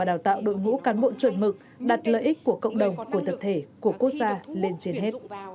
hãy đăng ký kênh để ủng hộ kênh của mình nhé